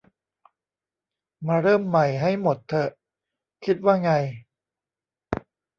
มาเริ่มใหม่ให้หมดเถอะ คิดว่าไง